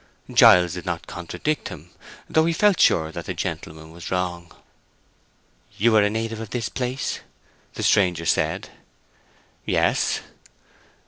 Giles did not contradict him, though he felt sure that the gentleman was wrong. "You are a native of this place?" the stranger said. "Yes."